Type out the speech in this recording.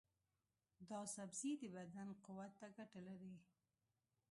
دا سبزی د بدن قوت ته ګټه لري.